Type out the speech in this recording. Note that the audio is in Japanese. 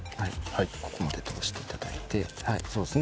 ここまで通していただいてはいそうですね。